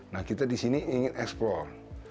nah kita di sini ingin eksplor